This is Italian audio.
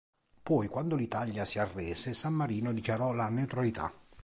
Poi, quando l'Italia si arrese, San Marino dichiarò la neutralità.